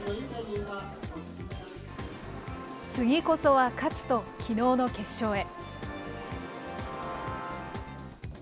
次こそは勝つと、きのうの決勝へ。